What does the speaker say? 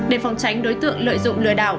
để phòng tránh đối tượng lợi dụng lừa đảo